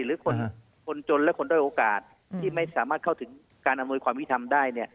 หรือคนจนและคนด้อยโอกาสที่ไม่สามารถเข้าถึงการอำนวยความยุทธรรมได้